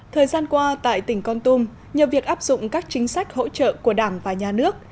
thời gian qua tại tỉnh con tum nhờ việc áp dụng các chính sách hỗ trợ của đảng và nhà nước